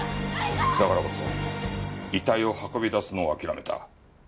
だからこそ遺体を運び出すのを諦めた。